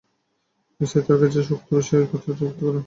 স্ত্রী তাঁর কাছে এসে উক্ত ঔষধের কথা ব্যক্ত করেন।